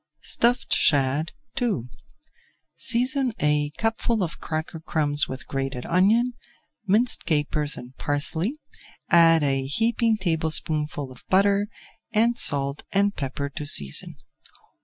STUFFED SHAD II Season a cupful of cracker crumbs with grated onion, minced capers and parsley, add a heaping tablespoonful of butter, and salt and pepper to season.